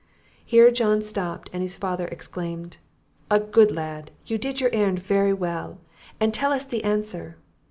Here John stopped, and his father exclaimed "A good lad! you did your errand very well; and tell us the answer."